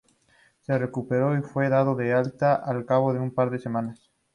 Se recuperó y fue dado de alta al cabo de un par de semanas.